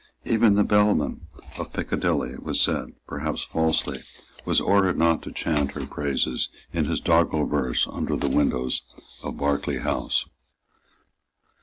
Even the bellman of Piccadilly, it was said, perhaps falsely, was ordered not to chaunt her praises in his doggrel verse under the windows of Berkeley House.